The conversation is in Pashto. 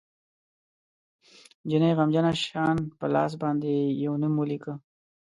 جینۍ غمجنه شان په لاس باندې یو نوم ولیکه